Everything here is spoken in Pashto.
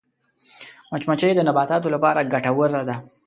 مچمچۍ د نباتاتو لپاره ګټوره ده